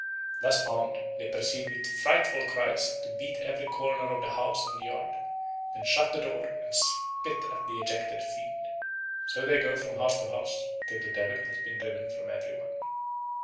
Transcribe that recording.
Thus armed, they proceed with frightful cries to beat every corner of the house and yard, then shut the door, and spit at the ejected fiend. So they go from house to house, till the Devil has been driven from every one.